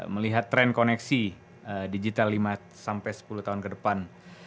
melihat tren koneksi digital lima sampai sepuluh tahun ke depan